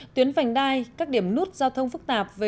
tuyến vành đai các điểm nút giao thông phức tạp